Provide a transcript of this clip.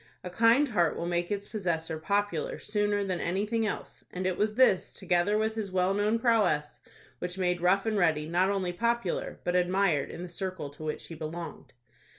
A kind heart will make its possessor popular sooner than anything else, and it was this, together with his well known prowess, which made Rough and Ready not only popular, but admired in the circle to which he belonged.